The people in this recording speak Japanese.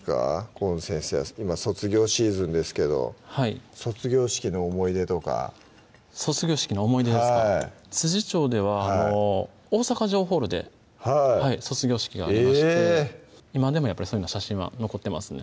河野先生は今卒業シーズンですけど卒業式の思い出とか卒業式の思い出ですか調では大阪城ホールで卒業式がありまして今でも写真は残ってますね